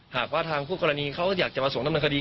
หากว่าทางคู่กรณีเขาอยากจะมาส่งดำเนินคดี